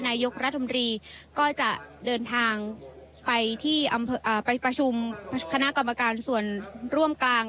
นายกรัฐมนตรีก็จะเดินทางไปที่ไปประชุมคณะกรรมการส่วนร่วมกลาง